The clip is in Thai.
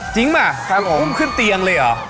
จริงมั้ยอุ้มขึ้นเตียงเลยเหรอ